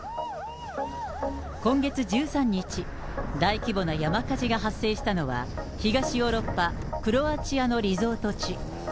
今月１３日、大規模な山火事が発生したのは、東ヨーロッパクロアチアのリゾート地。